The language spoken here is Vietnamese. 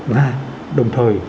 và đồng thời